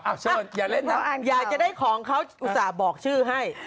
อยากจะได้ของเขาอุตส่าห์บอกชื่อให้